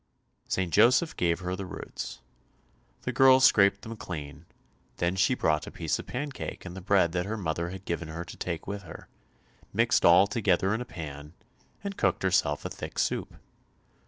St. Joseph gave her the roots. The girl scraped them clean, then she brought a piece of pancake and the bread that her mother had given her to take with her; mixed all together in a pan, and cooked herself a thick soup.